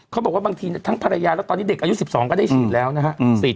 เขาบอกว่าบางทีทั้งภรรยาแล้วตอนนี้เด็กอายุสิบสองก็ได้ฉีดแล้วนะฮะอืม